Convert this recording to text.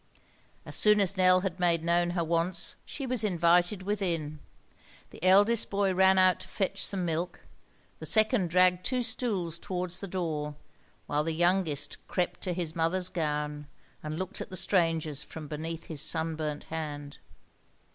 As soon as Nell had made known her wants she was invited within. The eldest boy ran out to fetch some milk, the second dragged two stools towards the door, while the youngest crept to his mother's gown, and looked at the strangers from beneath his sunburnt hand.